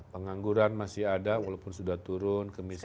pengangguran masih ada walaupun sudah turun ke miskinan